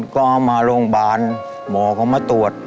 ก็เอามาโรงพยาบาลหมอเขามาตรวจ